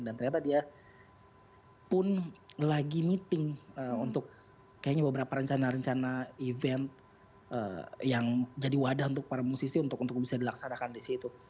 dan ternyata dia pun lagi meeting untuk kayaknya beberapa rencana rencana event yang jadi wadah untuk para musisi untuk bisa dilaksanakan di situ